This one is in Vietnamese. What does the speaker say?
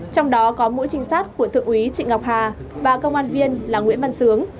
trong đó có mũi trinh sát của thượng úy trịnh ngọc hà và công an viên là nguyễn văn sướng